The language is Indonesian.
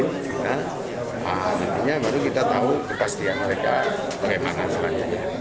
maka nanti kita tahu berpastian mereka kelemanan